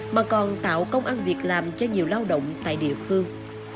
mà còn tạo công ăn việc làm cho nhiều lao động tại địa phương